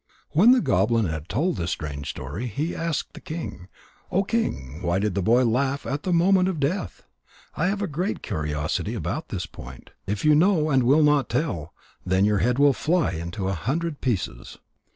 When the goblin had told this strange story, he asked the king: "O King, why did the boy laugh at the moment of death? I have a great curiosity about this point. If you know and will not tell, then your head will fly into a hundred pieces."